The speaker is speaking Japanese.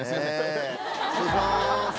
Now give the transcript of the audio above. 失礼します